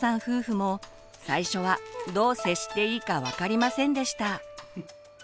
夫婦も最初はどう接していいか分かりませんでした。